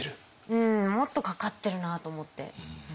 うんもっとかかってるなと思って。